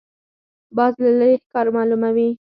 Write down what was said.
باز له لرې ښکار معلوموي